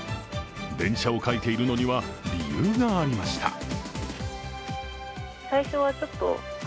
電車を描いているのには理由がありました。